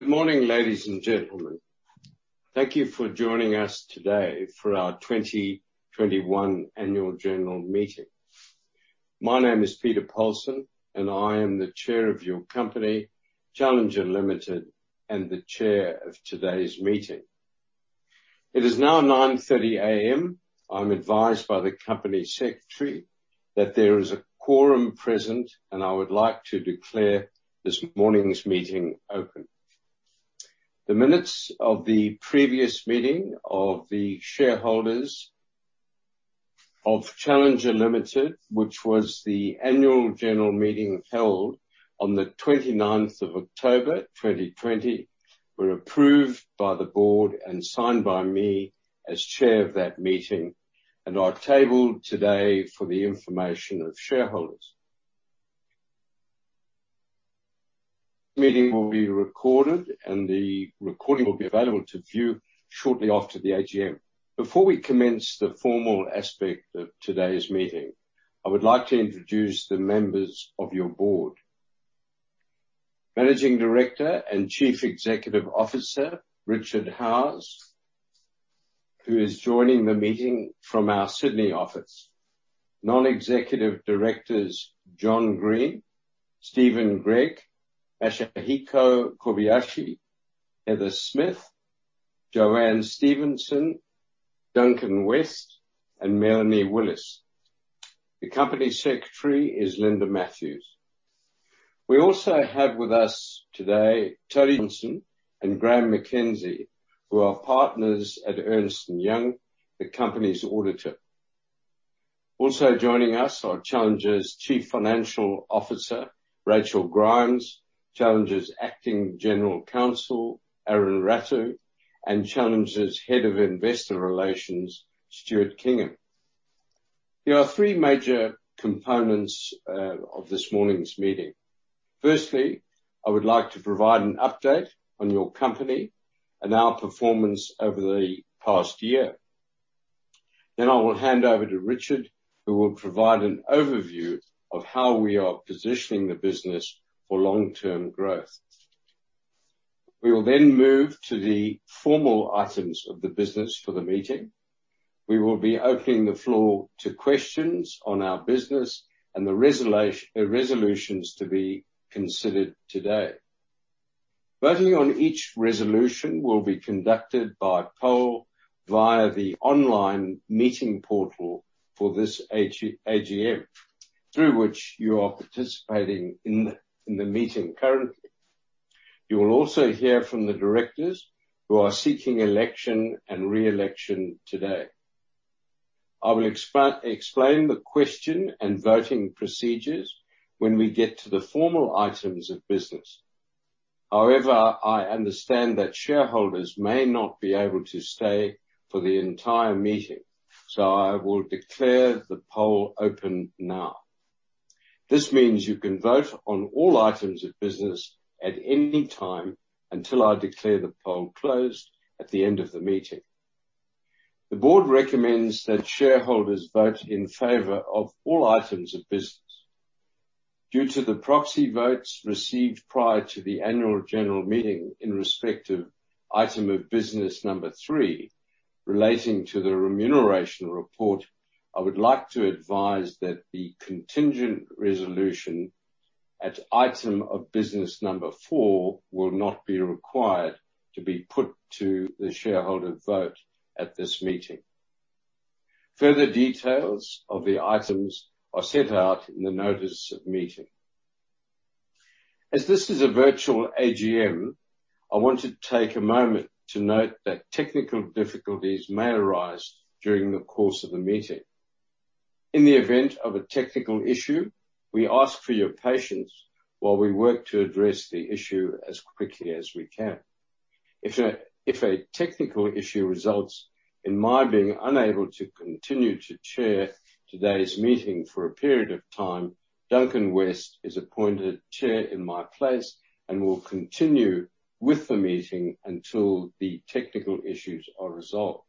Good morning, ladies and gentlemen. Thank you for joining us today for our 2021 Annual General Meeting. My name is Peter Polson, and I am the Chair of your company, Challenger Limited, and the Chair of today's meeting. It is now 9:30 A.M. I'm advised by the company secretary that there is a quorum present, and I would like to declare this morning's meeting open. The minutes of the previous meeting of the shareholders of Challenger Limited, which was the annual general meeting held on the 29th of October, 2020, were approved by the board and signed by me as Chair of that meeting and are tabled today for the information of shareholders. The meeting will be recorded, and the recording will be available to view shortly after the AGM. Before we commence the formal aspect of today's meeting, I would like to introduce the members of your board. Managing Director and Chief Executive Officer, Richard Howes, who is joining the meeting from our Sydney office. Non-Executive Directors, John Green, Steven Gregg, Masahiko Kobayashi, Heather Smith, JoAnne Stephenson, Duncan West, and Melanie Willis. The Company Secretary is Linda Matthews. We also have with us today, Tony Johnson and Graeme McKenzie, who are partners at Ernst & Young, the company's auditor. Also joining us are Challenger's Chief Financial Officer, Rachel Grimes, Challenger's Acting General Counsel, Aron Rattew, and Challenger's Head of Investor Relations, Stuart Kingham. There are three major components of this morning's meeting. Firstly, I would like to provide an update on your company and our performance over the past year. I will hand over to Richard, who will provide an overview of how we are positioning the business for long-term growth. We will then move to the formal items of the business for the meeting. We will be opening the floor to questions on our business and the resolutions to be considered today. Voting on each resolution will be conducted by poll via the online meeting portal for this AGM, through which you are participating in the meeting currently. You will also hear from the directors who are seeking election and re-election today. I will explain the question and voting procedures when we get to the formal items of business. However, I understand that shareholders may not be able to stay for the entire meeting, so I will declare the poll open now. This means you can vote on all items of business at any time until I declare the poll closed at the end of the meeting. The board recommends that shareholders vote in favor of all items of business. Due to the proxy votes received prior to the annual general meeting in respect of item of business number three, relating to the remuneration report, I would like to advise that the contingent resolution at item of business number four will not be required to be put to the shareholder vote at this meeting. Further details of the items are set out in the notice of meeting. As this is a virtual AGM, I want to take a moment to note that technical difficulties may arise during the course of the meeting. In the event of a technical issue, we ask for your patience while we work to address the issue as quickly as we can. If a technical issue results in my being unable to continue to chair today's meeting for a period of time, Duncan West is appointed chair in my place and will continue with the meeting until the technical issues are resolved.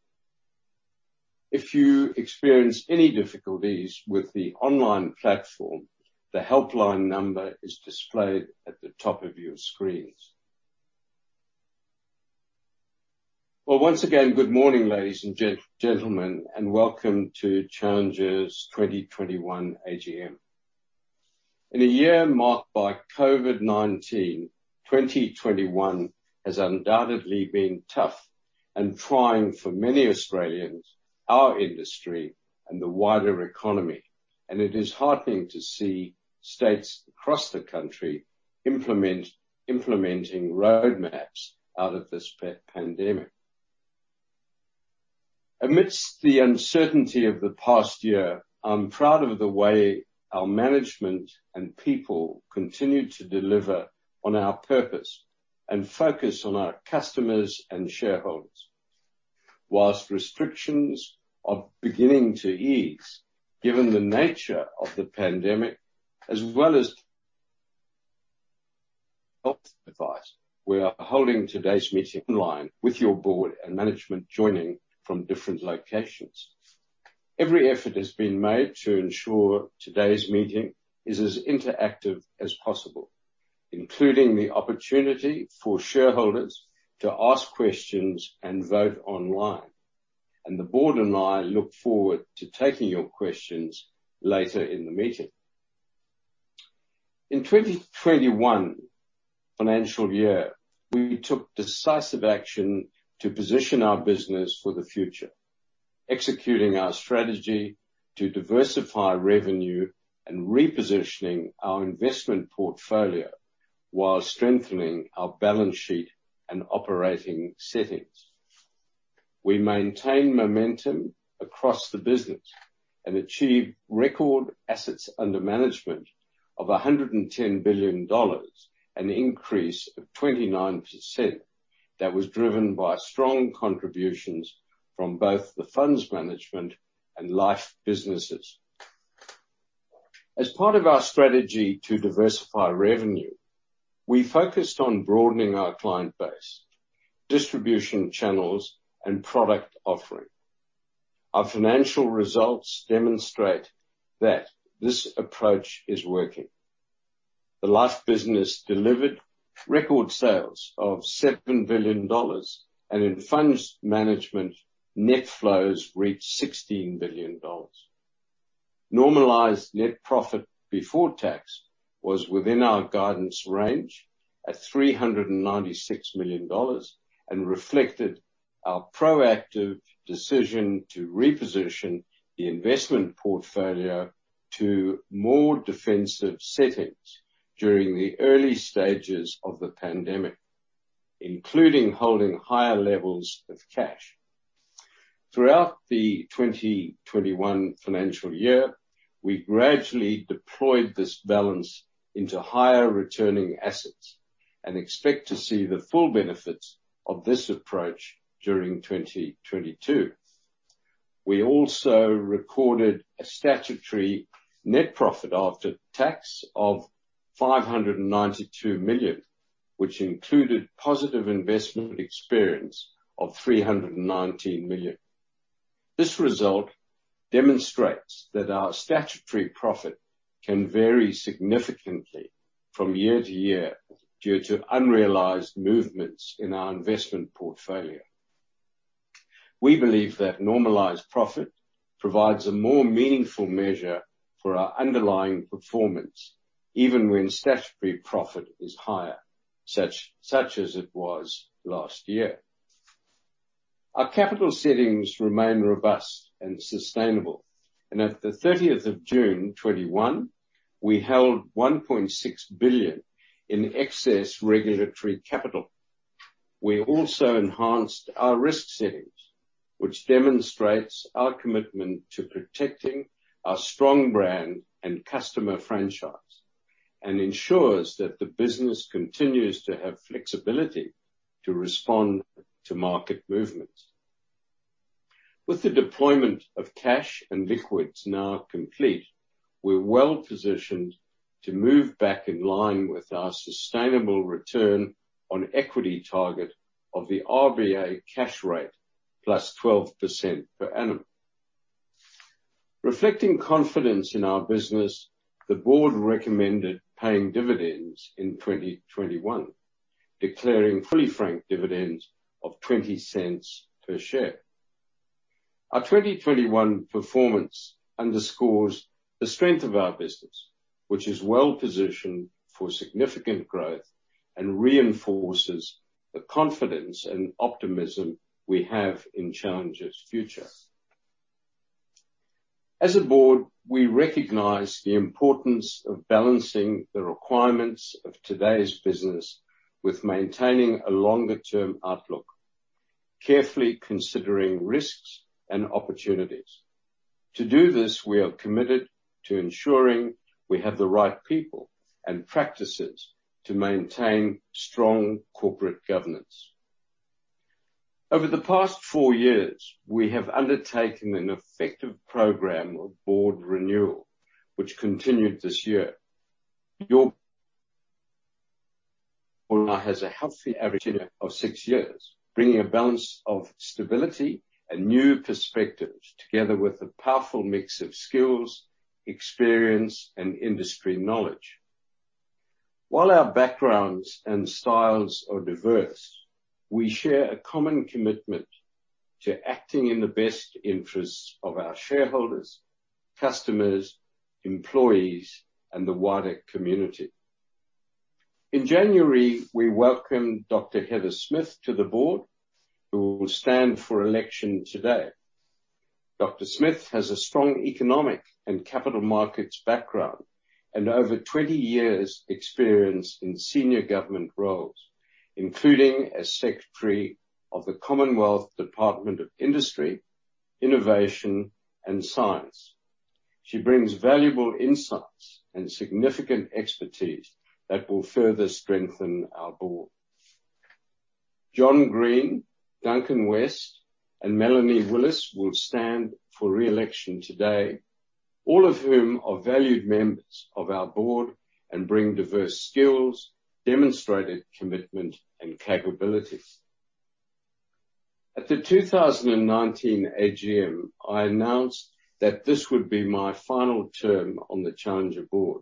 If you experience any difficulties with the online platform, the helpline number is displayed at the top of your screens. Well, once again, good morning, ladies and gentlemen, and welcome to Challenger's 2021 AGM. In a year marked by COVID-19, 2021 has undoubtedly been tough and trying for many Australians, our industry and the wider economy, and it is heartening to see states across the country implement roadmaps out of this pandemic. Amidst the uncertainty of the past year, I'm proud of the way our management and people continue to deliver on our purpose and focus on our customers and shareholders. While restrictions are beginning to ease, given the nature of the pandemic, as well as advice, we are holding today's meeting online with your board and management joining from different locations. Every effort has been made to ensure today's meeting is as interactive as possible, including the opportunity for shareholders to ask questions and vote online. The board and I look forward to taking your questions later in the meeting. In 2021 financial year, we took decisive action to position our business for the future, executing our strategy to diversify revenue and repositioning our investment portfolio while strengthening our balance sheet and operating settings. We maintained momentum across the business and achieved record assets under management of 110 billion dollars, an increase of 29% that was driven by strong contributions from both the Funds Management and Life businesses. As part of our strategy to diversify revenue, we focused on broadening our client base, distribution channels, and product offering. Our financial results demonstrate that this approach is working. The Life business delivered record sales of 7 billion dollars, and in Funds Management, net flows reached 16 billion dollars. Normalized net profit before tax was within our guidance range at 396 million dollars, and reflected our proactive decision to reposition the investment portfolio to more defensive settings during the early stages of the pandemic, including holding higher levels of cash. Throughout the 2021 financial year, we gradually deployed this balance into higher returning assets and expect to see the full benefits of this approach during 2022. We also recorded a statutory net profit after tax of 592 million, which included positive investment experience of 319 million. This result demonstrates that our statutory profit can vary significantly from year to year due to unrealized movements in our investment portfolio. We believe that normalized profit provides a more meaningful measure for our underlying performance, even when statutory profit is higher, such as it was last year. Our capital settings remain robust and sustainable. At the 30th of June 2021, we held 1.6 billion in excess regulatory capital. We also enhanced our risk settings, which demonstrates our commitment to protecting our strong brand and customer franchise, and ensures that the business continues to have flexibility to respond to market movements. With the deployment of cash and liquids now complete, we're well-positioned to move back in line with our sustainable return on equity target of the RBA cash rate plus 12% per annum. Reflecting confidence in our business, the board recommended paying dividends in 2021, declaring fully franked dividends of 0.20 per share. Our 2021 performance underscores the strength of our business, which is well-positioned for significant growth and reinforces the confidence and optimism we have in Challenger's future. As a board, we recognize the importance of balancing the requirements of today's business with maintaining a longer-term outlook, carefully considering risks and opportunities. To do this, we are committed to ensuring we have the right people and practices to maintain strong corporate governance. Over the past four years, we have undertaken an effective program of board renewal, which continued this year. Your board now has a healthy average of six years, bringing a balance of stability and new perspectives together with a powerful mix of skills, experience, and industry knowledge. While our backgrounds and styles are diverse, we share a common commitment to acting in the best interests of our shareholders, customers, employees, and the wider community. In January, we welcomed Dr. Heather Smith to the board, who will stand for election today. Dr. Smith has a strong economic and capital markets background and over 20 years experience in senior government roles, including as Secretary of the Commonwealth Department of Industry, Innovation, and Science. She brings valuable insights and significant expertise that will further strengthen our board. John Green, Duncan West, and Melanie Willis will stand for re-election today. All of whom are valued members of our board and bring diverse skills, demonstrated commitment, and capabilities. At the 2019 AGM, I announced that this would be my final term on the Challenger board.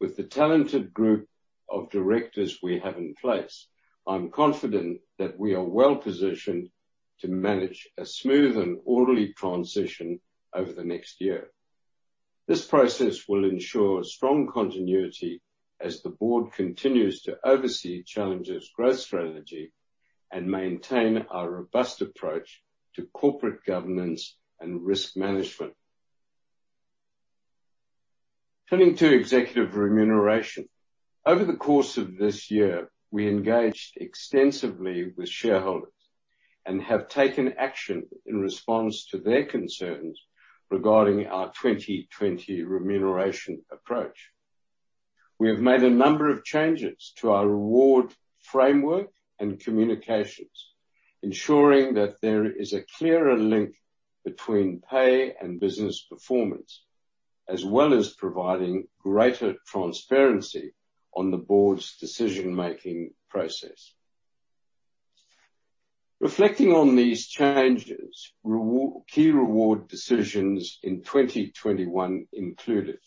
With the talented group of directors we have in place, I'm confident that we are well-positioned to manage a smooth and orderly transition over the next year. This process will ensure strong continuity as the board continues to oversee Challenger's growth strategy and maintain our robust approach to corporate governance and risk management. Turning to executive remuneration. Over the course of this year, we engaged extensively with shareholders and have taken action in response to their concerns regarding our 2020 remuneration approach. We have made a number of changes to our reward framework and communications, ensuring that there is a clearer link between pay and business performance, as well as providing greater transparency on the board's decision-making process. Reflecting on these changes, key reward decisions in 2021 included.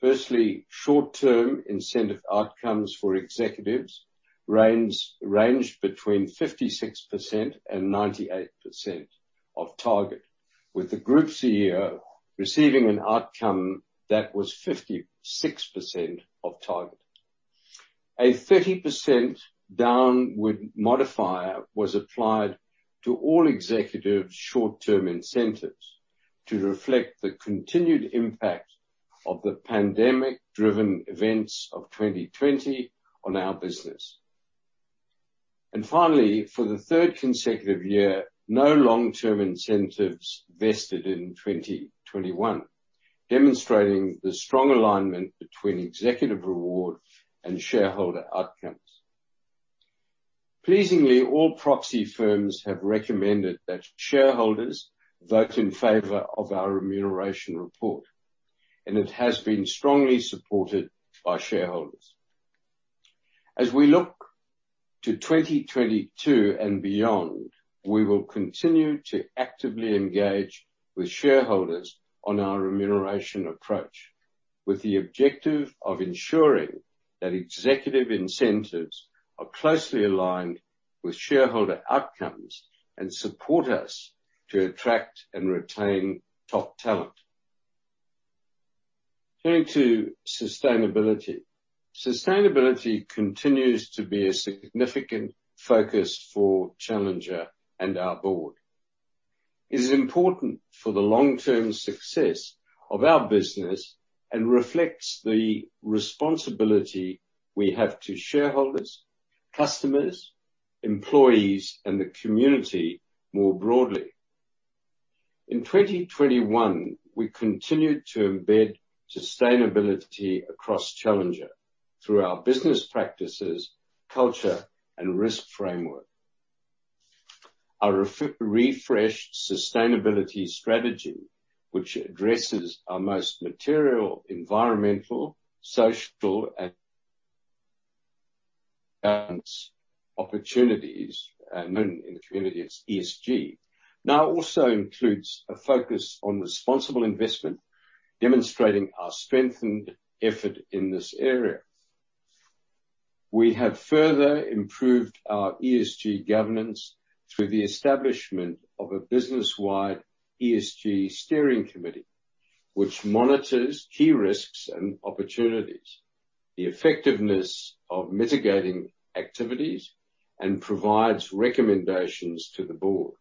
Firstly, short-term incentive outcomes for executives ranged between 56% and 98% of target, with the Group CEO receiving an outcome that was 56% of target. A 30% downward modifier was applied to all executives' short-term incentives to reflect the continued impact of the pandemic-driven events of 2020 on our business. Finally, for the third consecutive year, no long-term incentives vested in 2021, demonstrating the strong alignment between executive reward and shareholder outcomes. Pleasingly, all proxy firms have recommended that shareholders vote in favor of our remuneration report, and it has been strongly supported by shareholders. As we look to 2022 and beyond, we will continue to actively engage with shareholders on our remuneration approach, with the objective of ensuring that executive incentives are closely aligned with shareholder outcomes and support us to attract and retain top talent. Turning to sustainability. Sustainability continues to be a significant focus for Challenger and our board. It is important for the long-term success of our business and reflects the responsibility we have to shareholders, customers, employees, and the community more broadly. In 2021, we continued to embed sustainability across Challenger through our business practices, culture, and risk framework. Our refreshed sustainability strategy, which addresses our most material environmental, social, and governance opportunities, known in the community as ESG, now also includes a focus on responsible investment, demonstrating our strengthened effort in this area. We have further improved our ESG governance through the establishment of a business-wide ESG steering committee, which monitors key risks and opportunities, the effectiveness of mitigating activities, and provides recommendations to the board.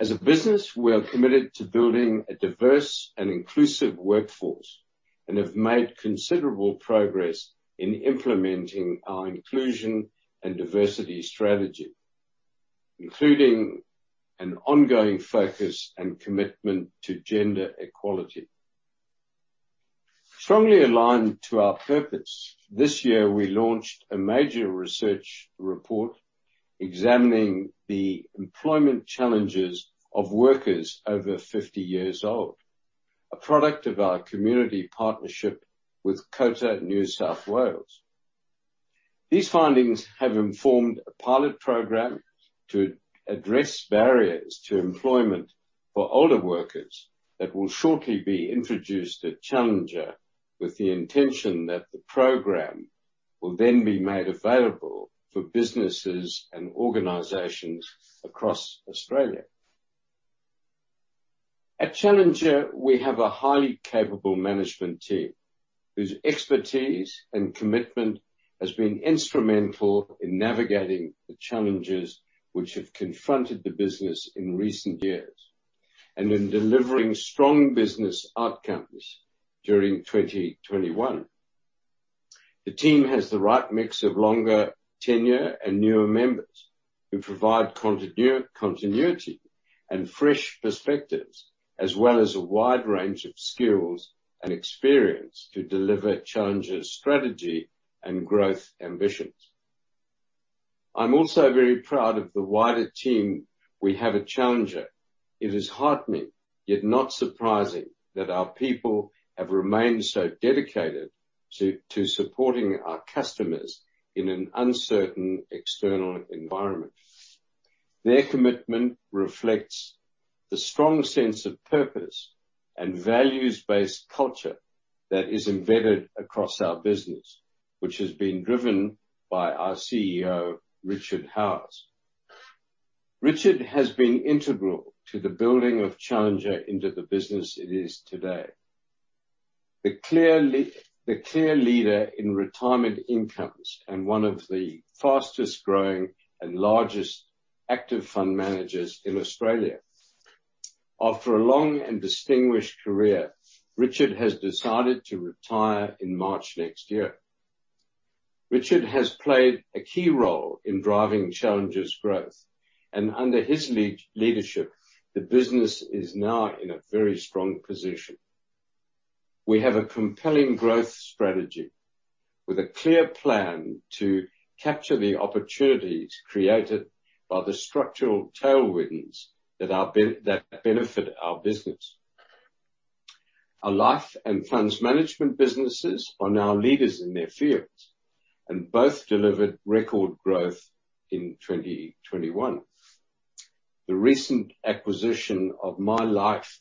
As a business, we are committed to building a diverse and inclusive workforce and have made considerable progress in implementing our inclusion and diversity strategy, including an ongoing focus and commitment to gender equality. Strongly aligned to our purpose, this year, we launched a major research report examining the employment challenges of workers over 50 years old, a product of our community partnership with COTA NSW. These findings have informed a pilot program to address barriers to employment for older workers that will shortly be introduced at Challenger with the intention that the program will then be made available for businesses and organizations across Australia. At Challenger, we have a highly capable management team whose expertise and commitment has been instrumental in navigating the challenges which have confronted the business in recent years and in delivering strong business outcomes during 2021. The team has the right mix of longer tenure and newer members who provide continuity and fresh perspectives, as well as a wide range of skills and experience to deliver Challenger's strategy and growth ambitions. I'm also very proud of the wider team we have at Challenger. It has heartened me, yet not surprising, that our people have remained so dedicated to supporting our customers in an uncertain external environment. Their commitment reflects the strong sense of purpose and values-based culture that is embedded across our business, which has been driven by our CEO, Richard Howes. Richard has been integral to the building of Challenger into the business it is today, the clear leader in retirement incomes and one of the fastest-growing and largest active fund managers in Australia. After a long and distinguished career, Richard has decided to retire in March next year. Richard has played a key role in driving Challenger's growth, and under his leadership, the business is now in a very strong position. We have a compelling growth strategy with a clear plan to capture the opportunities created by the structural tailwinds that benefit our business. Our Life and Funds Management businesses are now leaders in their fields, and both delivered record growth in 2021. The recent acquisition of MyLife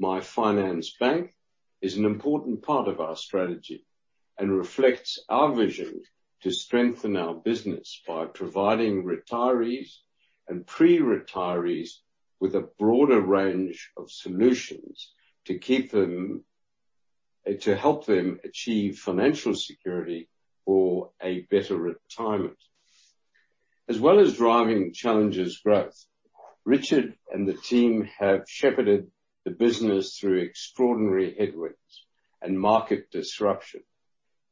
MyFinance is an important part of our strategy and reflects our vision to strengthen our business by providing retirees and pre-retirees with a broader range of solutions to help them achieve financial security for a better retirement. As well as driving Challenger's growth, Richard and the team have shepherded the business through extraordinary headwinds and market disruption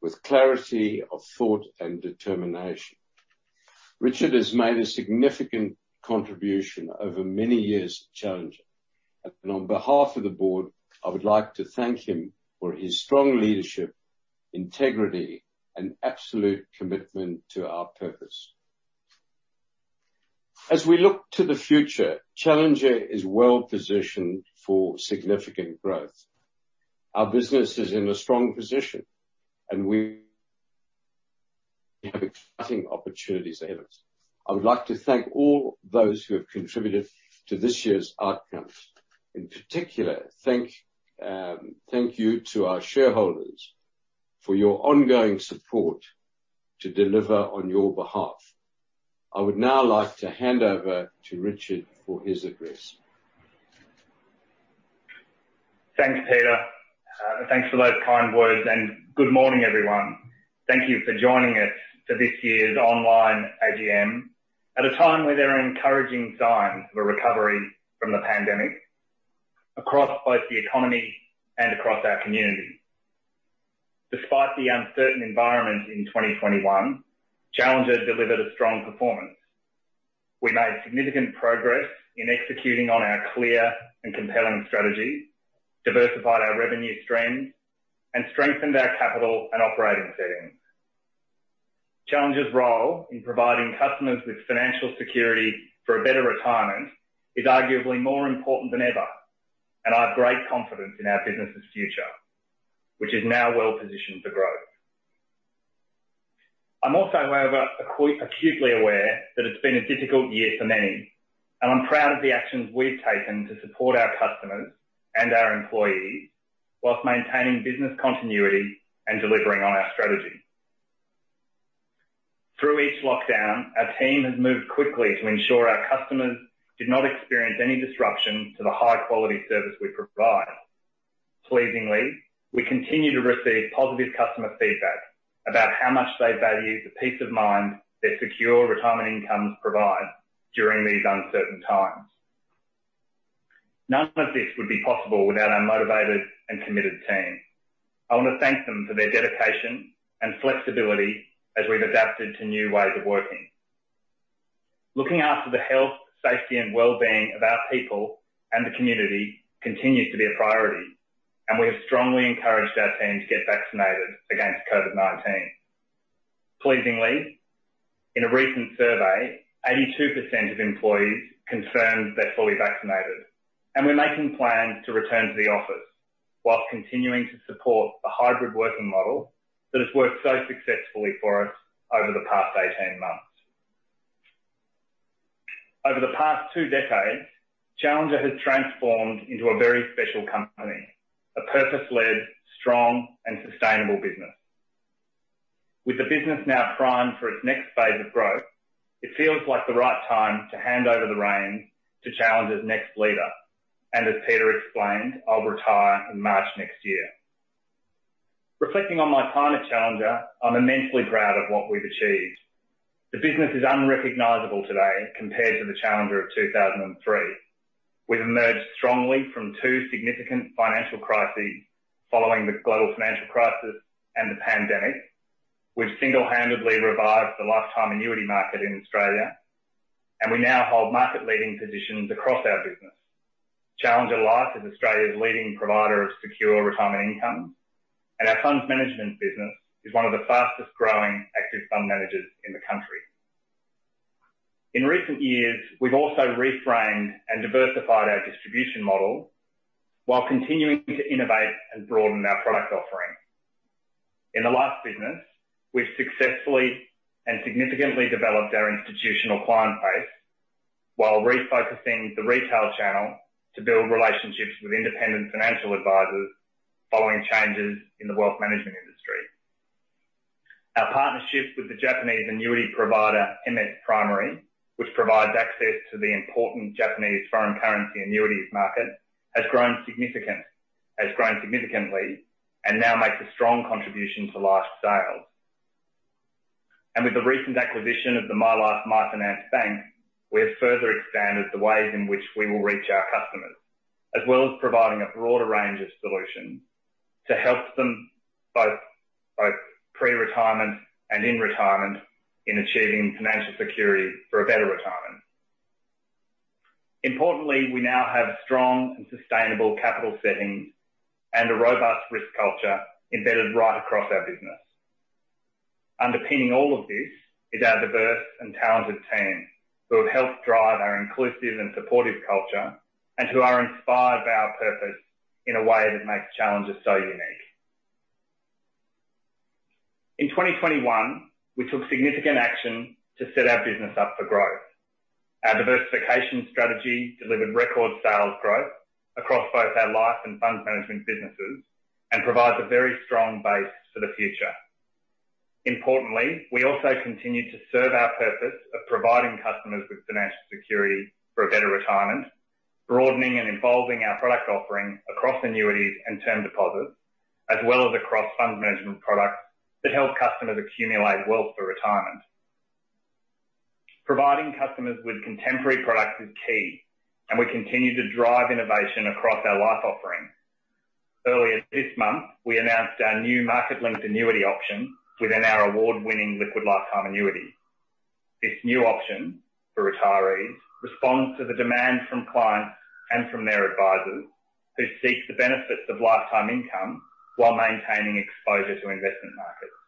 with clarity of thought and determination. Richard has made a significant contribution over many years at Challenger. On behalf of the board, I would like to thank him for his strong leadership, integrity, and absolute commitment to our purpose. As we look to the future, Challenger is well-positioned for significant growth. Our business is in a strong position, and we have exciting opportunities ahead. I would like to thank all those who have contributed to this year's outcomes. In particular, thank you to our shareholders for your ongoing support to deliver on your behalf. I would now like to hand over to Richard for his address. Thanks, Peter. Thanks for those kind words, and good morning, everyone. Thank you for joining us to this year's online AGM. At a time where there are encouraging signs of a recovery from the pandemic across both the economy and across our community. Despite the uncertain environment in 2021, Challenger delivered a strong performance. We made significant progress in executing on our clear and compelling strategy, diversified our revenue streams, and strengthened our capital and operating settings. Challenger's role in providing customers with financial security for a better retirement is arguably more important than ever, and I have great confidence in our business's future, which is now well-positioned for growth. I'm also, however, acutely aware that it's been a difficult year for many, and I'm proud of the actions we've taken to support our customers and our employees while maintaining business continuity and delivering on our strategy. Through each lockdown, our team has moved quickly to ensure our customers did not experience any disruption to the high-quality service we provide. Pleasingly, we continue to receive positive customer feedback about how much they value the peace of mind their secure retirement incomes provide during these uncertain times. None of this would be possible without our motivated and committed team. I wanna thank them for their dedication and flexibility as we've adapted to new ways of working. Looking after the health, safety, and well-being of our people and the community continues to be a priority, and we have strongly encouraged our team to get vaccinated against COVID-19. Pleasingly, in a recent survey, 82% of employees confirmed they're fully vaccinated, and we're making plans to return to the office while continuing to support the hybrid working model that has worked so successfully for us over the past 18 months. Over the past two decades, Challenger has transformed into a very special company, a purpose-led, strong, and sustainable business. With the business now primed for its next phase of growth, it feels like the right time to hand over the reins to Challenger's next leader. As Peter explained, I'll retire in March next year. Reflecting on my time at Challenger, I'm immensely proud of what we've achieved. The business is unrecognizable today compared to the Challenger of 2003. We've emerged strongly from two significant financial crises following the global financial crisis and the pandemic. We've single-handedly revived the lifetime annuity market in Australia, and we now hold market-leading positions across our business. Challenger Life is Australia's leading provider of secure retirement income, and our Funds Management business is one of the fastest-growing active fund managers in the country. In recent years, we've also reframed and diversified our distribution model while continuing to innovate and broaden our product offering. In the Life business, we've successfully and significantly developed our institutional client base while refocusing the retail channel to build relationships with independent financial advisors following changes in the wealth management industry. Our partnership with the Japanese annuity provider, MS Primary, which provides access to the important Japanese foreign currency annuities market, has grown significantly and now makes a strong contribution to life sales. With the recent acquisition of the MyLife MyFinance Bank, we have further expanded the ways in which we will reach our customers, as well as providing a broader range of solutions to help them both pre-retirement and in retirement in achieving financial security for a better retirement. Importantly, we now have strong and sustainable capital settings and a robust risk culture embedded right across our business. Underpinning all of this is our diverse and talented team who have helped drive our inclusive and supportive culture and who are inspired by our purpose in a way that makes Challenger so unique. In 2021, we took significant action to set our business up for growth. Our diversification strategy delivered record sales growth across both our Life and Funds Management businesses and provides a very strong base for the future. Importantly, we also continue to serve our purpose of providing customers with financial security for a better retirement, broadening and evolving our product offering across annuities and term deposits, as well as across fund management products that help customers accumulate wealth for retirement. Providing customers with contemporary products is key, and we continue to drive innovation across our Life offering. Earlier this month, we announced our new market-linked annuity option within our award-winning Liquid Lifetime Annuity. This new option for retirees responds to the demand from clients and from their advisors who seek the benefits of lifetime income while maintaining exposure to investment markets.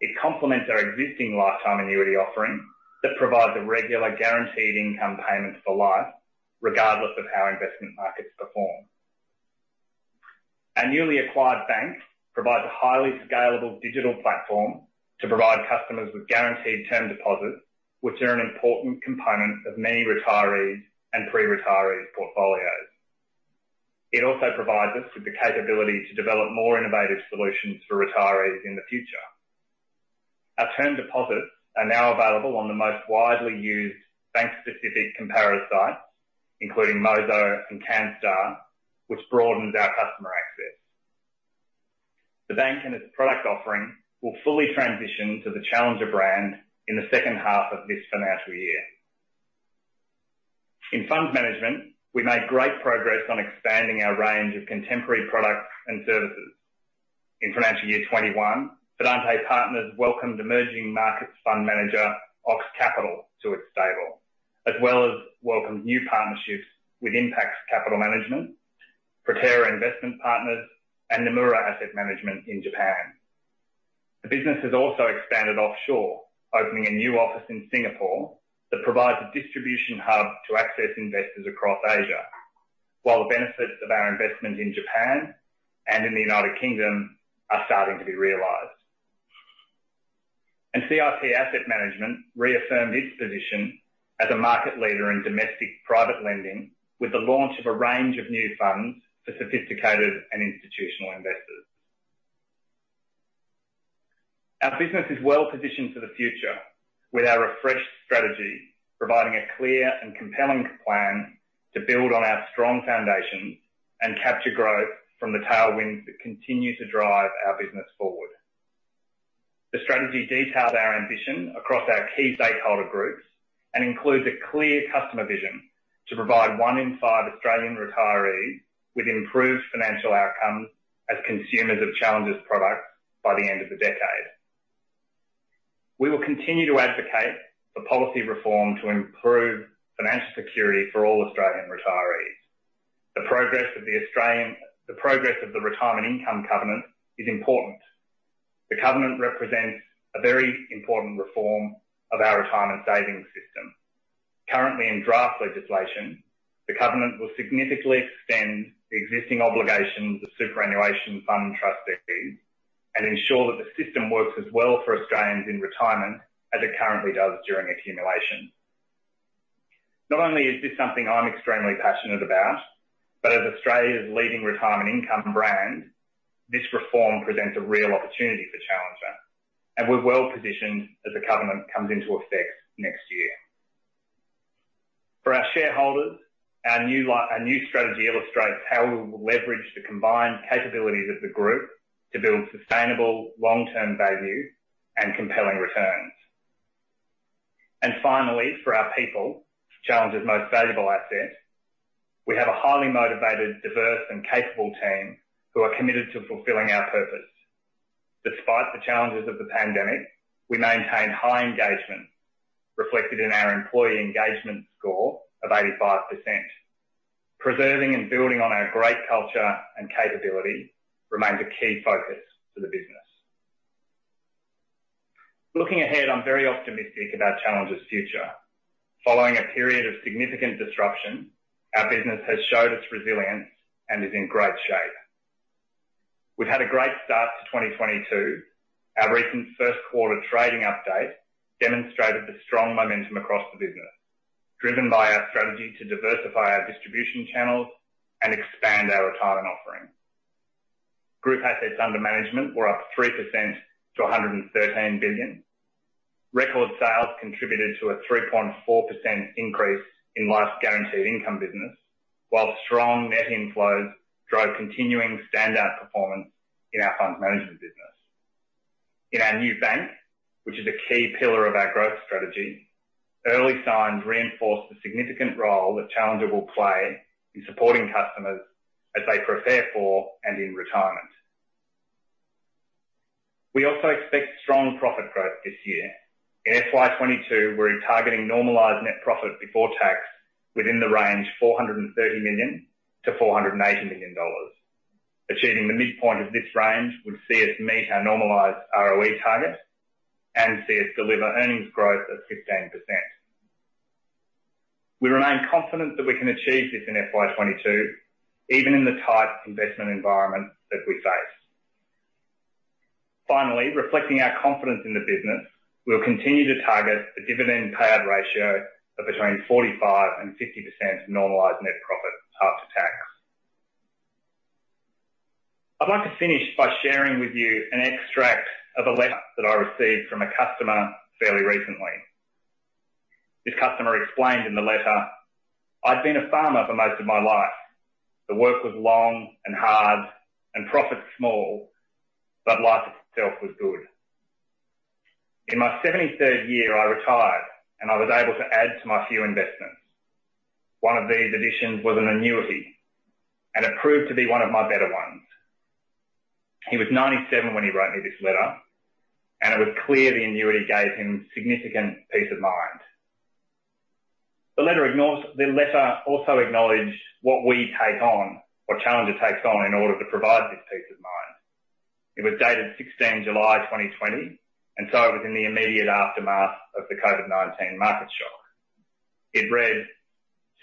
It complements our existing lifetime annuity offering that provides a regular guaranteed income payments for life regardless of how investment markets perform. Our newly acquired bank provides a highly scalable digital platform to provide customers with guaranteed term deposits, which are an important component of many retirees and pre-retirees portfolios. It also provides us with the capability to develop more innovative solutions for retirees in the future. Our term deposits are now available on the most widely used bank-specific comparator sites, including Mozo and Canstar, which broadens our customer access. The bank and its product offering will fully transition to the Challenger brand in the second half of this financial year. In Funds Management, we made great progress on expanding our range of contemporary products and services. In financial year 2021, Fidante Partners welcomed emerging markets fund manager OX Capital to its stable, as well as welcomed new partnerships with Impax Asset Management, Proterra Investment Partners, and Nomura Asset Management in Japan. The business has also expanded offshore, opening a new office in Singapore that provides a distribution hub to access investors across Asia. While the benefits of our investment in Japan and in the United Kingdom are starting to be realized. CIP Asset Management reaffirmed its position as a market leader in domestic private lending with the launch of a range of new funds for sophisticated and institutional investors. Our business is well-positioned for the future with our refreshed strategy, providing a clear and compelling plan to build on our strong foundations and capture growth from the tailwinds that continue to drive our business forward. The strategy details our ambition across our key stakeholder groups and includes a clear customer vision to provide one in five Australian retirees with improved financial outcomes as consumers of Challenger's products by the end of the decade. We will continue to advocate for policy reform to improve financial security for all Australian retirees. The progress of the Retirement Income Covenant is important. The covenant represents a very important reform of our retirement savings system. Currently, in draft legislation, the covenant will significantly extend the existing obligations of superannuation fund trustees and ensure that the system works as well for Australians in retirement as it currently does during accumulation. Not only is this something I'm extremely passionate about, but as Australia's leading retirement income brand, this reform presents a real opportunity for Challenger, and we're well-positioned as the covenant comes into effect next year. For our shareholders, our new strategy illustrates how we will leverage the combined capabilities of the group to build sustainable long-term value and compelling returns. Finally, for our people, Challenger's most valuable asset, we have a highly motivated, diverse, and capable team who are committed to fulfilling our purpose. Despite the challenges of the pandemic, we maintain high engagement reflected in our employee engagement score of 85%. Preserving and building on our great culture and capability remains a key focus for the business. Looking ahead, I'm very optimistic about Challenger's future. Following a period of significant disruption, our business has showed its resilience and is in great shape. We've had a great start to 2022. Our recent first quarter trading update demonstrated the strong momentum across the business, driven by our strategy to diversify our distribution channels and expand our retirement offering. Group assets under management were up 3% to 113 billion. Record sales contributed to a 3.4% increase in life guaranteed income business, while strong net inflows drove continuing standout performance in our funds management business. In our new bank, which is a key pillar of our growth strategy, early signs reinforced the significant role that Challenger will play in supporting customers as they prepare for and in retirement. We also expect strong profit growth this year. In FY 2022, we're targeting normalized net profit before tax within the range 430 million-480 million dollars. Achieving the midpoint of this range would see us meet our normalized ROE target and see us deliver earnings growth of 15%. We remain confident that we can achieve this in FY 2022, even in the tight investment environment that we face. Finally, reflecting our confidence in the business, we'll continue to target a dividend payout ratio of between 45% and 50% normalized net profit after tax. I'd like to finish by sharing with you an extract of a letter that I received from a customer fairly recently. This customer explained in the letter, "I've been a farmer for most of my life. The work was long and hard, and profits small, but life itself was good. In my 73rd year, I retired, and I was able to add to my few investments. One of these additions was an annuity, and it proved to be one of my better ones." He was 97 when he wrote me this letter, and it was clear the annuity gave him significant peace of mind. The letter also acknowledged what we take on, what Challenger takes on in order to provide this peace of mind. It was dated 16th July 2020, and so it was in the immediate aftermath of the COVID-19 market shock. It read,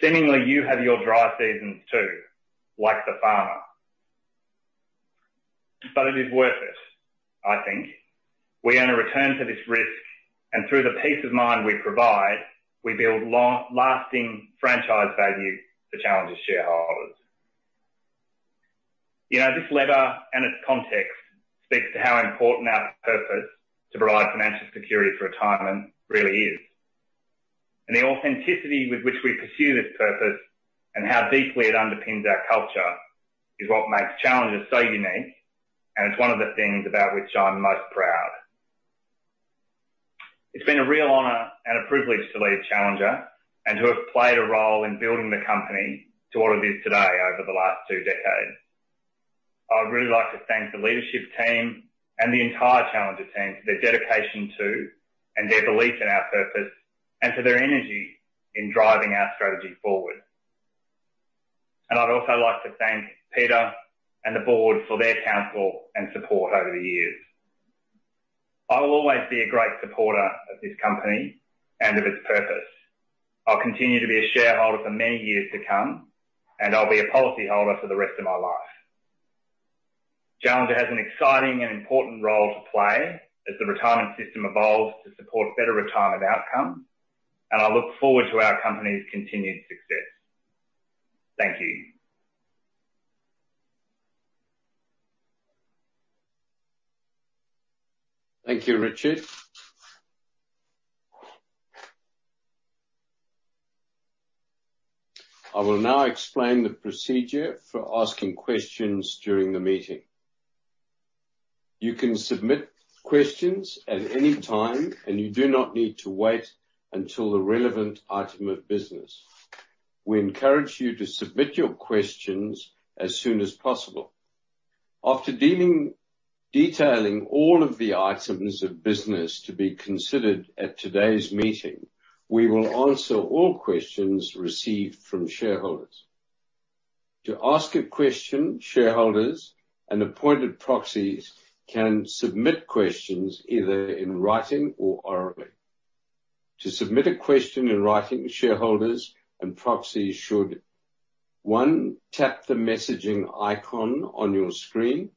"Seemingly you have your dry seasons too, like the farmer. But it is worth it, I think. We earn a return to this risk, and through the peace of mind we provide, we build lasting franchise value for Challenger's shareholders." You know, this letter and its context speaks to how important our purpose to provide financial security for retirement really is. The authenticity with which we pursue this purpose and how deeply it underpins our culture is what makes Challenger so unique, and it's one of the things about which I'm most proud. It's been a real honor and a privilege to lead Challenger and to have played a role in building the company to what it is today over the last two decades. I'd really like to thank the leadership team and the entire Challenger team for their dedication to and their belief in our purpose and for their energy in driving our strategy forward. I'd also like to thank Peter and the board for their counsel and support over the years. I will always be a great supporter of this company and of its purpose. I'll continue to be a shareholder for many years to come, and I'll be a policyholder for the rest of my life. Challenger has an exciting and important role to play as the retirement system evolves to support better retirement outcome, and I look forward to our company's continued success. Thank you. Thank you, Richard. I will now explain the procedure for asking questions during the meeting. You can submit questions at any time, and you do not need to wait until the relevant item of business. We encourage you to submit your questions as soon as possible. After detailing all of the items of business to be considered at today's meeting, we will answer all questions received from shareholders. To ask a question, shareholders and appointed proxies can submit questions either in writing or orally. To submit a question in writing, shareholders and proxies should, one, tap the messaging icon on your screen.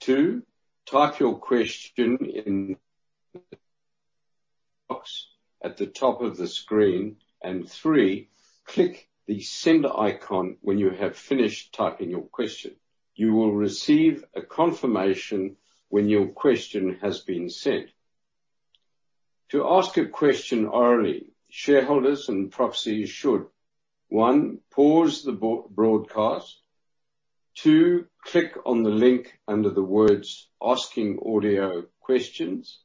Two, type your question in the box at the top of the screen. And three, click the send icon when you have finished typing your question. You will receive a confirmation when your question has been sent. To ask a question orally, shareholders and proxies should: one, pause the broadcast; two, click on the link under the words Asking Audio Questions;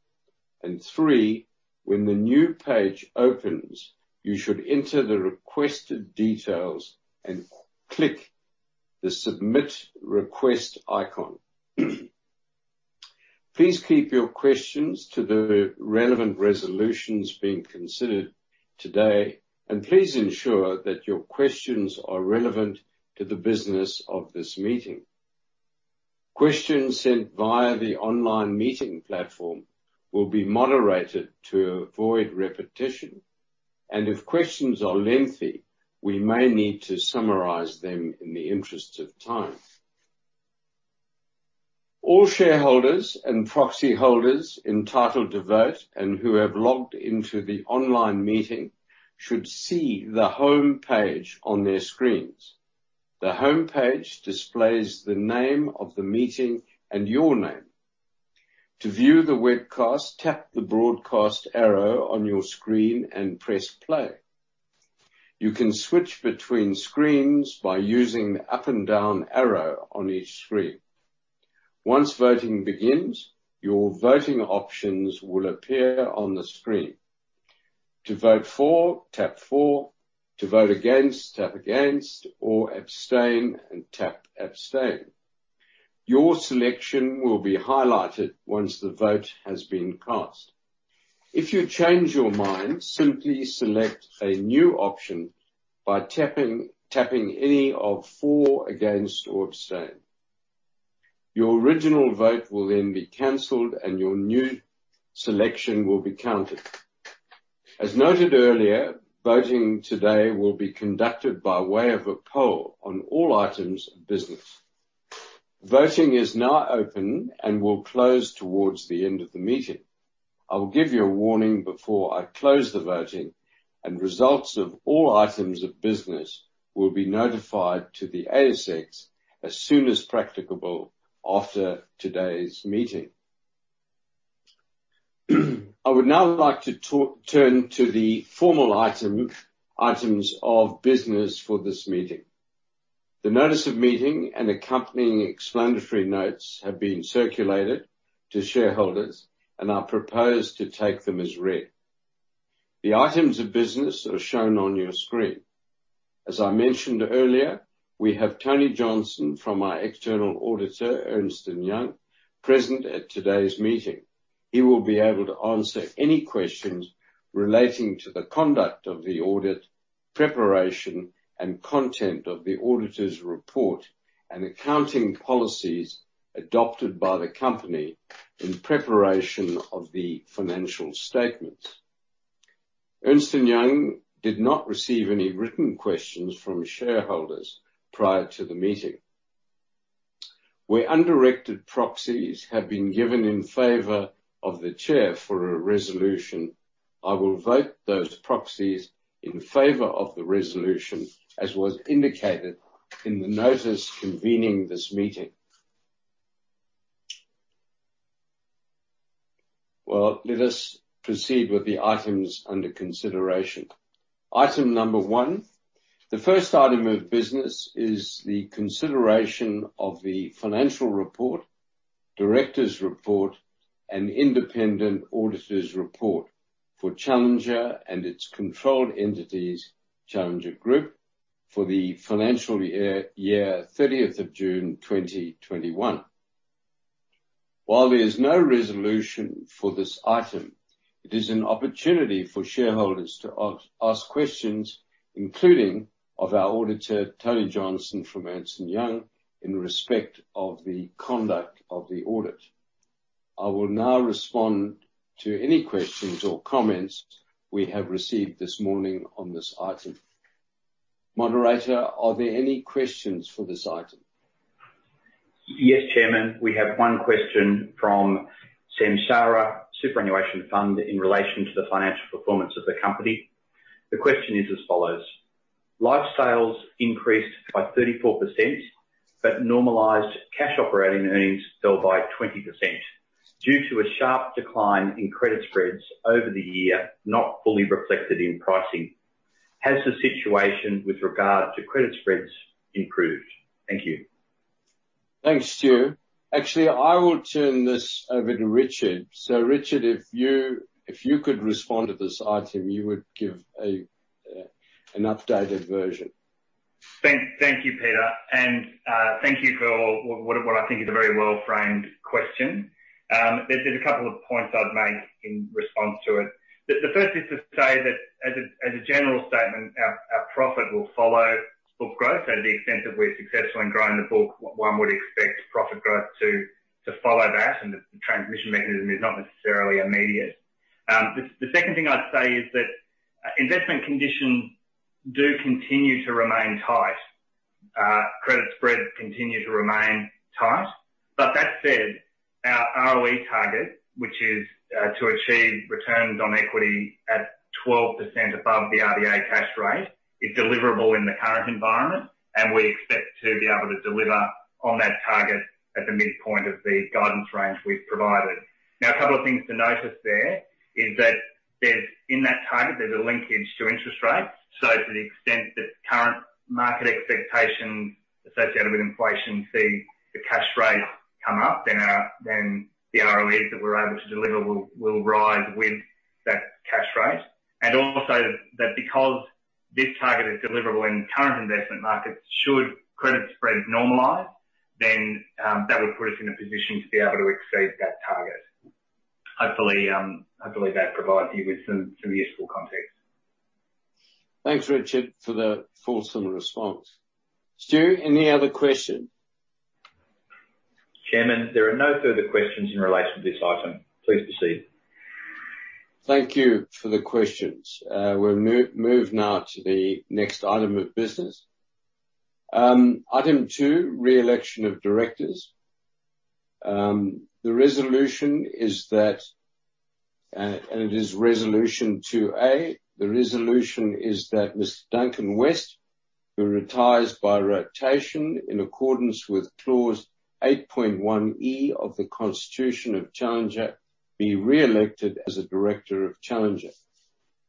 and three, when the new page opens, you should enter the requested details and click the Submit Request icon. Please keep your questions to the relevant resolutions being considered today, and please ensure that your questions are relevant to the business of this meeting. Questions sent via the online meeting platform will be moderated to avoid repetition. If questions are lengthy, we may need to summarize them in the interest of time. All shareholders and proxy holders entitled to vote and who have logged into the online meeting should see the homepage on their screens. The homepage displays the name of the meeting and your name. To view the webcast, tap the Broadcast arrow on your screen and press Play. You can switch between screens by using the up and down arrow on each screen. Once voting begins, your voting options will appear on the screen. To vote for, tap For. To vote against, tap Against. Or Abstain, and tap Abstain. Your selection will be highlighted once the vote has been cast. If you change your mind, simply select a new option by tapping any of For, Against, or Abstain. Your original vote will then be canceled and your new selection will be counted. As noted earlier, voting today will be conducted by way of a poll on all items of business. Voting is now open and will close towards the end of the meeting. I will give you a warning before I close the voting, and results of all items of business will be notified to the ASX as soon as practicable after today's meeting. I would now like to turn to the formal items of business for this meeting. The notice of meeting and accompanying explanatory notes have been circulated to shareholders and propose to take them as read. The items of business are shown on your screen. As I mentioned earlier, we have Tony Johnson from our external auditor, Ernst & Young, present at today's meeting. He will be able to answer any questions relating to the conduct of the audit, preparation and content of the auditor's report, and accounting policies adopted by the company in preparation of the financial statements. Ernst & Young did not receive any written questions from shareholders prior to the meeting. Where undirected proxies have been given in favor of the chair for a resolution, I will vote those proxies in favor of the resolution, as was indicated in the notice convening this meeting. Well, let us proceed with the items under consideration. Item number one. The first item of business is the consideration of the financial report, directors' report, and independent auditor's report for Challenger and its controlled entities, Challenger Group, for the financial year, 30th of June 2021. While there is no resolution for this item, it is an opportunity for shareholders to ask questions, including of our auditor, Tony Johnson from Ernst & Young, in respect of the conduct of the audit. I will now respond to any questions or comments we have received this morning on this item. Moderator, are there any questions for this item? Yes, Chairman. We have one question from Samsara Superannuation Fund in relation to the financial performance of the company. The question is as follows: Life sales increased by 34%, but normalized cash operating earnings fell by 20% due to a sharp decline in credit spreads over the year, not fully reflected in pricing. Has the situation with regard to credit spreads improved? Thank you. Thanks, Stu. Actually, I will turn this over to Richard. Richard, if you could respond to this item, you would give an updated version. Thank you, Peter. Thank you for what I think is a very well-framed question. There's a couple of points I'd make in response to it. The first is to say that as a general statement, our profit will follow book growth. To the extent that we're successful in growing the book, one would expect profit growth to follow that, and the transmission mechanism is not necessarily immediate. The second thing I'd say is that investment conditions do continue to remain tight. Credit spreads continue to remain tight. That said, our ROE target, which is to achieve returns on equity at 12% above the RBA cash rate, is deliverable in the current environment, and we expect to be able to deliver on that target at the midpoint of the guidance range we've provided. Now, a couple of things to notice. There is that there's in that target a linkage to interest rates. To the extent that current market expectations associated with inflation see the cash rate come up, then the ROE that we're able to deliver will rise with that cash rate. Also that because this target is deliverable in the current investment markets, should credit spreads normalize, then that would put us in a position to be able to exceed that target. Hopefully, that provides you with some useful context. Thanks, Richard, for the fulsome response. Stu, any other questions? Chairman, there are no further questions in relation to this item. Please proceed. Thank you for the questions. We'll move now to the next item of business. Item two, re-election of directors. The resolution is that, and it is resolution 2A, the resolution is that Mr. Duncan West, who retires by rotation in accordance with clause 8.1E of the Constitution of Challenger, be re-elected as a director of Challenger.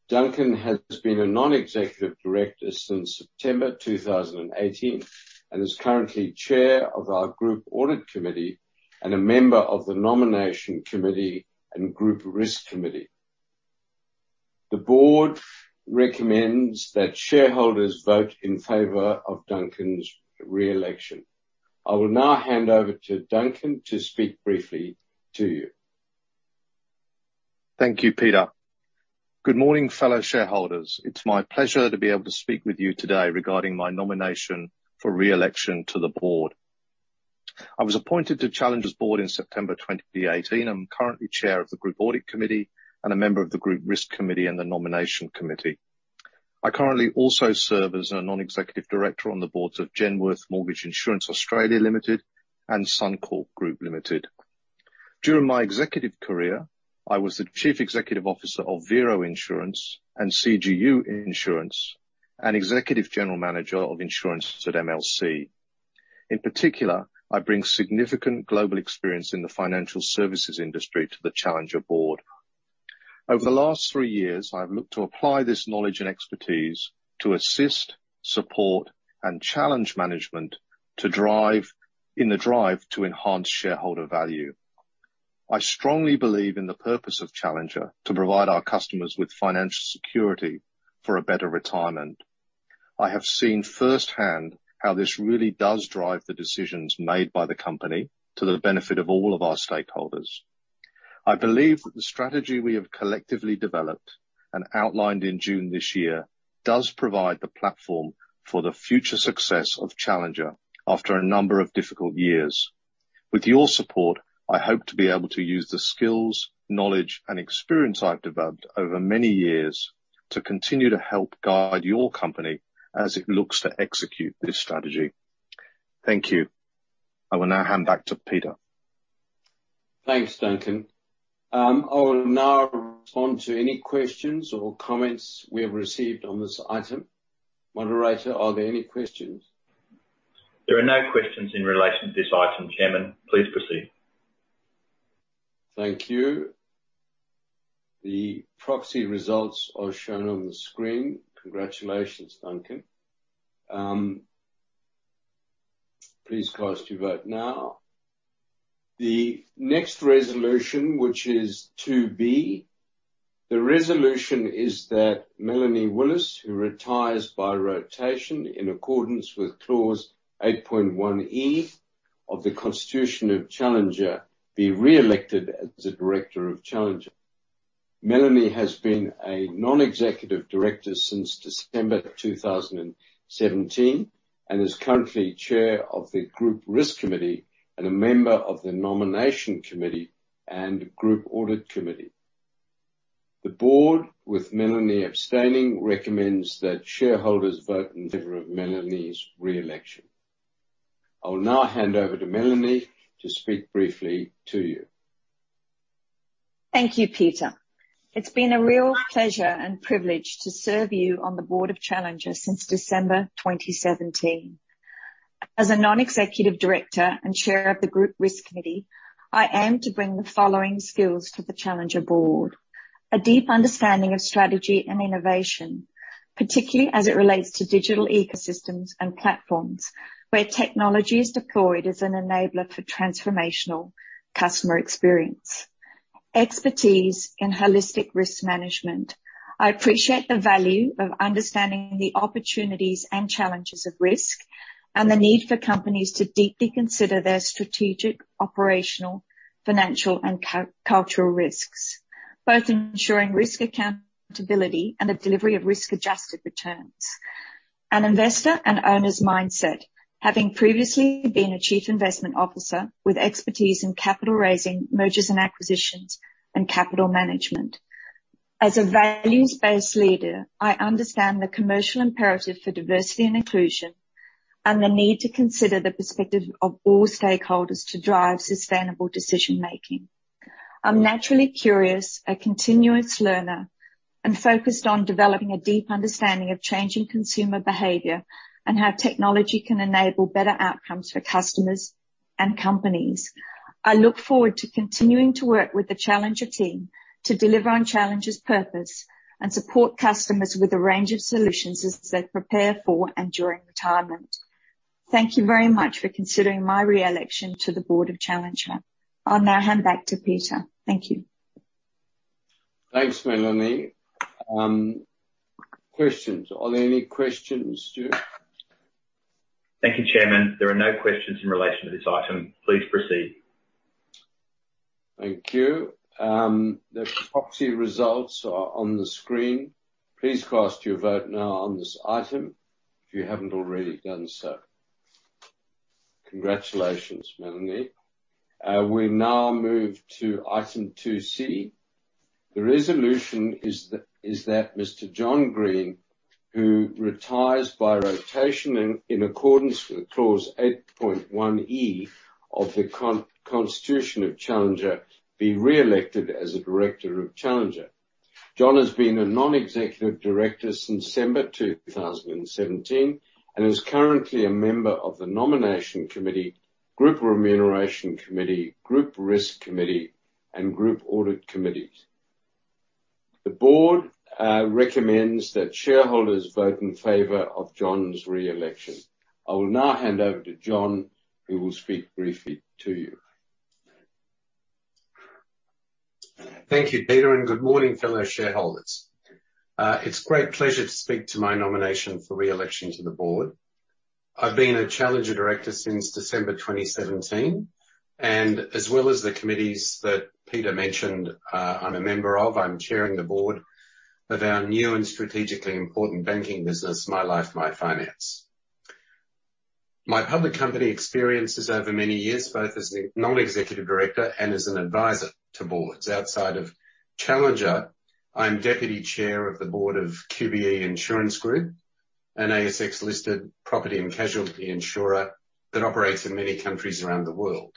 Duncan has been a non-executive director since September 2018, and is currently chair of our group audit committee and a member of the nomination committee and group risk committee. The board recommends that shareholders vote in favor of Duncan's re-election. I will now hand over to Duncan to speak briefly to you. Thank you, Peter. Good morning, fellow shareholders. It's my pleasure to be able to speak with you today regarding my nomination for re-election to the board. I was appointed to Challenger's board in September 2018. I'm currently Chair of the Group Audit Committee and a member of the Group Risk Committee and the Nomination Committee. I currently also serve as a Non-Executive Director on the boards of Genworth Mortgage Insurance Australia Limited and Suncorp Group Limited. During my executive career, I was the Chief Executive Officer of Vero Insurance and CGU Insurance and Executive General Manager of Insurance at MLC. In particular, I bring significant global experience in the financial services industry to the Challenger board. Over the last three years, I've looked to apply this knowledge and expertise to assist, support and challenge management in the drive to enhance shareholder value. I strongly believe in the purpose of Challenger to provide our customers with financial security for a better retirement. I have seen firsthand how this really does drive the decisions made by the company to the benefit of all of our stakeholders. I believe that the strategy we have collectively developed and outlined in June this year does provide the platform for the future success of Challenger after a number of difficult years. With your support, I hope to be able to use the skills, knowledge and experience I've developed over many years to continue to help guide your company as it looks to execute this strategy. Thank you. I will now hand back to Peter. Thanks, Duncan. I will now respond to any questions or comments we have received on this item. Moderator, are there any questions? There are no questions in relation to this item, Chairman. Please proceed. Thank you. The proxy results are shown on the screen. Congratulations, Duncan. Please cast your vote now. The next resolution, which is 2B. The resolution is that Melanie Willis, who retires by rotation in accordance with clause 8.1E of the Constitution of Challenger, be re-elected as a director of Challenger. Melanie has been a non-executive director since December 2017, and is currently Chair of the Group Risk Committee and a member of the Nomination Committee and Group Audit Committee. The board, with Melanie abstaining, recommends that shareholders vote in favor of Melanie's re-election. I will now hand over to Melanie to speak briefly to you. Thank you, Peter. It's been a real pleasure and privilege to serve you on the board of Challenger since December 2017. As a non-executive director and chair of the group risk committee, I aim to bring the following skills to the Challenger board. A deep understanding of strategy and innovation, particularly as it relates to digital ecosystems and platforms, where technology is deployed as an enabler for transformational customer experience. Expertise in holistic risk management. I appreciate the value of understanding the opportunities and challenges of risk and the need for companies to deeply consider their strategic, operational, financial, and cultural risks, both ensuring risk accountability and the delivery of risk-adjusted returns. An investor and owner's mindset, having previously been a chief investment officer with expertise in capital raising, mergers and acquisitions, and capital management. As a values-based leader, I understand the commercial imperative for diversity and inclusion and the need to consider the perspective of all stakeholders to drive sustainable decision-making. I'm naturally curious, a continuous learner, and focused on developing a deep understanding of changing consumer behavior and how technology can enable better outcomes for customers and companies. I look forward to continuing to work with the Challenger team to deliver on Challenger's purpose and support customers with a range of solutions as they prepare for and during retirement. Thank you very much for considering my re-election to the board of Challenger. I'll now hand back to Peter. Thank you. Thanks, Melanie. Questions. Are there any questions, Stu? Thank you, Chairman. There are no questions in relation to this item. Please proceed. Thank you. The proxy results are on the screen. Please cast your vote now on this item if you haven't already done so. Congratulations, Melanie. We now move to item 2C. The resolution is that Mr. John Green, who retires by rotation in accordance with Clause 8.1 E of the constitution of Challenger, be re-elected as a director of Challenger. John has been a non-executive director since December 2017, and is currently a member of the Nomination Committee, Group Remuneration Committee, Group Risk Committee and Group Audit Committees. The board recommends that shareholders vote in favor of John's re-election. I will now hand over to John, who will speak briefly to you. Thank you, Peter, and good morning, fellow shareholders. It's a great pleasure to speak to my nomination for re-election to the board. I've been a Challenger director since December 2017, and as well as the committees that Peter mentioned, I'm a member of. I'm chairing the board of our new and strategically important banking business, MyLife MyFinance. My public company experience is over many years, both as a non-executive director and as an advisor to boards. Outside of Challenger, I'm deputy chair of the board of QBE Insurance Group, an ASX-listed property and casualty insurer that operates in many countries around the world.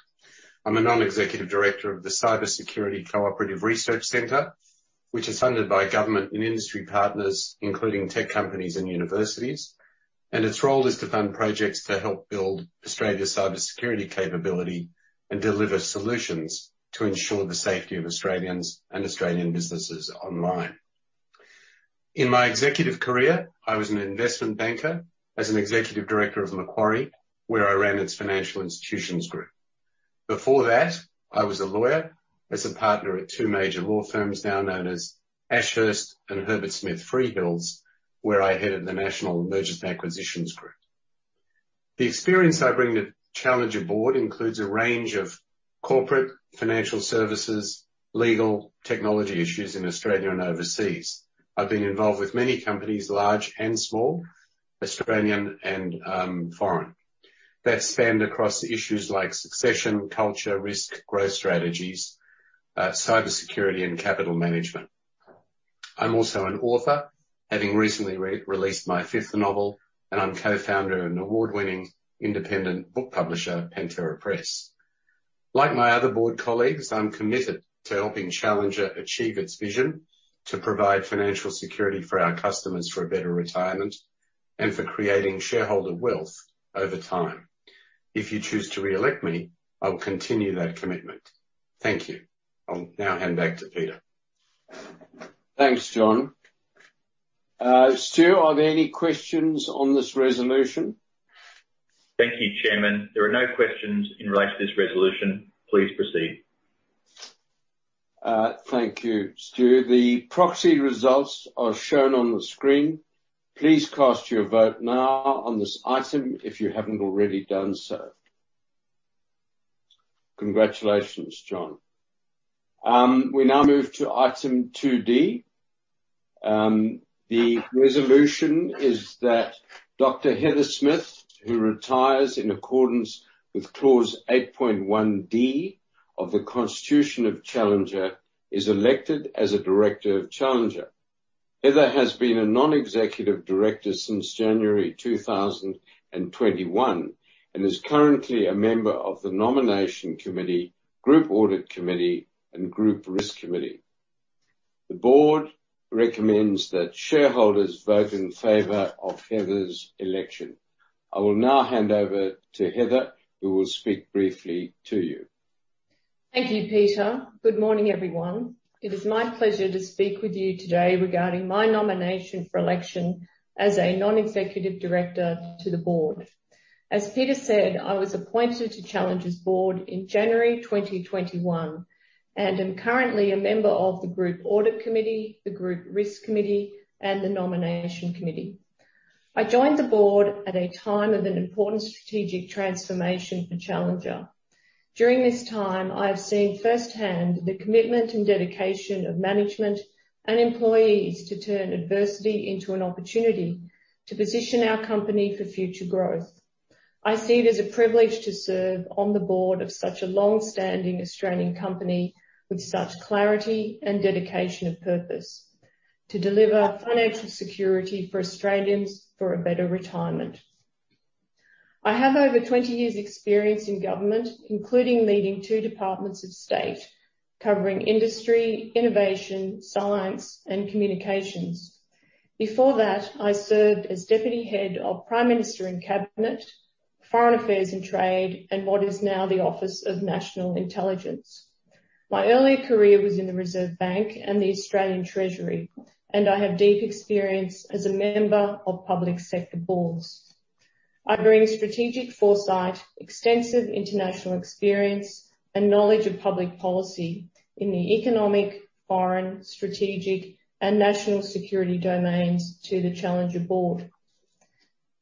I'm a non-executive director of the Cyber Security Cooperative Research Centre, which is funded by government and industry partners, including tech companies and universities, and its role is to fund projects that help build Australia's cybersecurity capability and deliver solutions to ensure the safety of Australians and Australian businesses online. In my executive career, I was an investment banker as an executive director of Macquarie, where I ran its financial institutions group. Before that, I was a lawyer as a partner at two major law firms now known as Ashurst and Herbert Smith Freehills, where I headed the national mergers and acquisitions group. The experience I bring to Challenger board includes a range of corporate, financial services, legal, technology issues in Australia and overseas. I've been involved with many companies, large and small, Australian and foreign, that span across issues like succession, culture, risk, growth strategies, cybersecurity and capital management. I'm also an author, having recently re-released my fifth novel, and I'm co-founder of an award-winning independent book publisher, Pantera Press. Like my other board colleagues, I'm committed to helping Challenger achieve its vision to provide financial security for our customers for a better retirement and for creating shareholder wealth over time. If you choose to re-elect me, I will continue that commitment. Thank you. I'll now hand back to Peter. Thanks, John. Stu, are there any questions on this resolution? Thank you, Chairman. There are no questions in relation to this resolution. Please proceed. Thank you, Stu. The proxy results are shown on the screen. Please cast your vote now on this item if you haven't already done so. Congratulations, John. We now move to item 2D. The resolution is that Dr. Heather Smith, who retires in accordance with clause 8.1D of the Constitution of Challenger, is elected as a director of Challenger. Heather has been a non-executive director since January 2021, and is currently a member of the Nomination Committee, Group Audit Committee and Group Risk Committee. The board recommends that shareholders vote in favor of Heather's election. I will now hand over to Heather, who will speak briefly to you. Thank you, Peter. Good morning, everyone. It is my pleasure to speak with you today regarding my nomination for election as a non-executive director to the board. As Peter said, I was appointed to Challenger's board in January 2021, and am currently a member of the Group Audit Committee, the Group Risk Committee, and the Nomination Committee. I joined the board at a time of an important strategic transformation for Challenger. During this time, I have seen firsthand the commitment and dedication of management and employees to turn adversity into an opportunity to position our company for future growth. I see it as a privilege to serve on the board of such a long-standing Australian company with such clarity and dedication of purpose to deliver financial security for Australians for a better retirement. I have over 20 years' experience in government, including leading two departments of state covering industry, innovation, science, and communications. Before that, I served as Deputy Head of Prime Minister and Cabinet, Foreign Affairs and Trade, and what is now the Office of National Intelligence. My early career was in the Reserve Bank and the Australian Treasury, and I have deep experience as a member of public sector boards. I bring strategic foresight, extensive international experience, and knowledge of public policy in the economic, foreign, strategic, and national security domains to the Challenger board.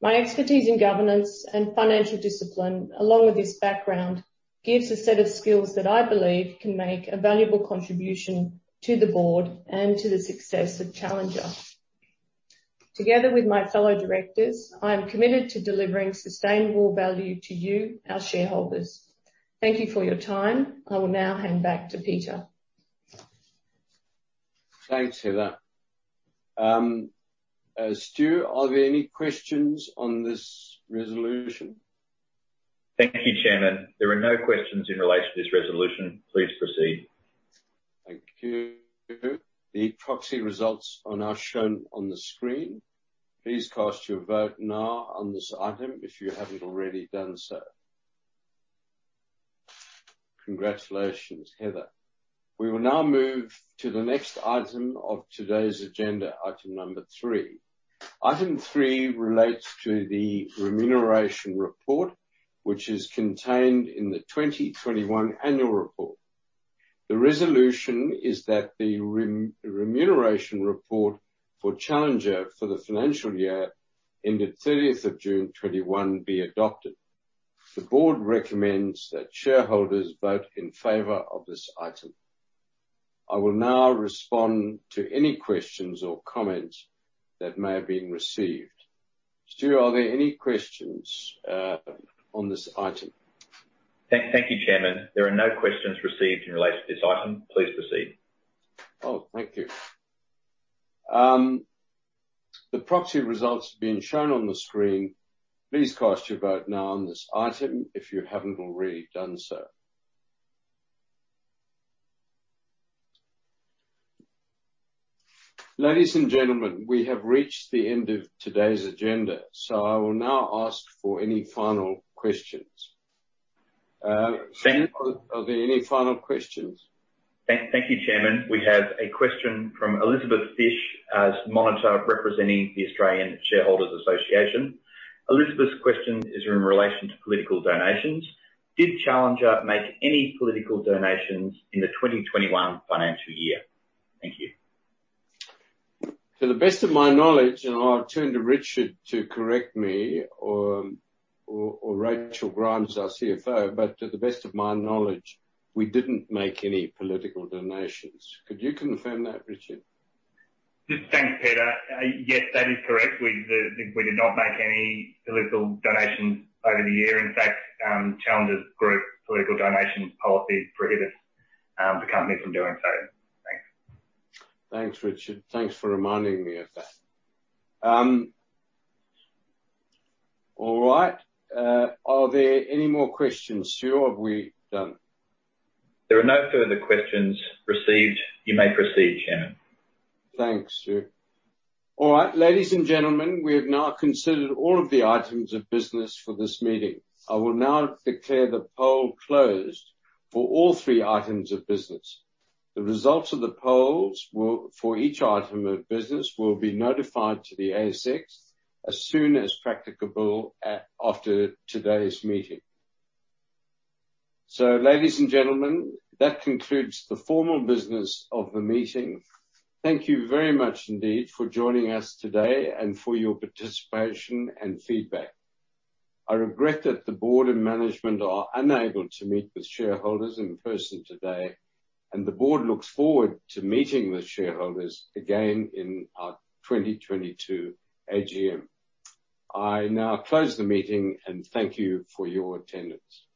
My expertise in governance and financial discipline, along with this background, gives a set of skills that I believe can make a valuable contribution to the board and to the success of Challenger. Together with my fellow directors, I am committed to delivering sustainable value to you, our shareholders. Thank you for your time. I will now hand back to Peter. Thanks, Heather. Stu, are there any questions on this resolution? Thank you, Chairman. There are no questions in relation to this resolution. Please proceed. Thank you. The proxy results are now shown on the screen. Please cast your vote now on this item if you haven't already done so. Congratulations, Heather. We will now move to the next item of today's agenda, item three. Item three relates to the remuneration report, which is contained in the 2021 annual report. The resolution is that the remuneration report for Challenger for the financial year ended 30th of June 2021 be adopted. The board recommends that shareholders vote in favor of this item. I will now respond to any questions or comments that may have been received. Stu, are there any questions on this item? Thank you, Chairman. There are no questions received in relation to this item. Please proceed. Oh, thank you. The proxy results are being shown on the screen. Please cast your vote now on this item if you haven't already done so. Ladies and gentlemen, we have reached the end of today's agenda, so I will now ask for any final questions. Are there any final questions? Thank you, Chairman. We have a question from Elizabeth Fish as monitor representing the Australian Shareholders' Association. Elizabeth's question is in relation to political donations. Did Challenger make any political donations in the 2021 financial year? Thank you. To the best of my knowledge, and I'll turn to Richard to correct me or Rachel Grimes, our CFO, but to the best of my knowledge, we didn't make any political donations. Could you confirm that, Richard? Yes. Thanks, Peter. Yes, that is correct. We did not make any political donations over the year. In fact, Challenger's group political donations policy prohibits the company from doing so. Thanks. Thanks, Richard. Thanks for reminding me of that. All right. Are there any more questions, Stu, or are we done? There are no further questions received. You may proceed, Chairman. Thanks, Stu. All right. Ladies and gentlemen, we have now considered all of the items of business for this meeting. I will now declare the poll closed for all three items of business. The results of the polls will, for each item of business, be notified to the ASX as soon as practicable after today's meeting. Ladies and gentlemen, that concludes the formal business of the meeting. Thank you very much indeed for joining us today and for your participation and feedback. I regret that the board and management are unable to meet with shareholders in person today, and the board looks forward to meeting with shareholders again in our 2022 AGM. I now close the meeting, and thank you for your attendance.